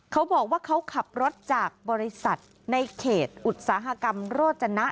เขาบอกว่าเขาขับรถจากบริษัทในเขตอุตสาหกรรมโรจนะ